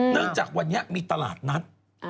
เนื่องจากวันนี้มีตลาดนัด